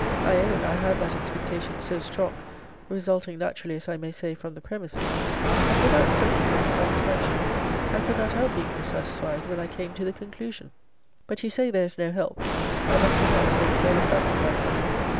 I own, I had that expectation so strong, resulting naturally, as I may say, from the premises, that without studying for dissatisfaction, I could not help being dissatisfied when I came to the conclusion. But you say there is no help. I must perhaps make further sacrifices.